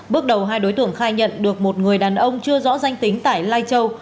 bước đầu hai đối tượng khai nhận được một người đàn ông chưa rõ danh tính tại lai châu